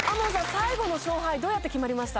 最後の勝敗どうやって決まりました？